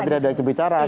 nggak bisa dibicarakan